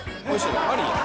あり？